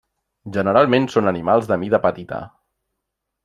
Generalment són animals de mida petita.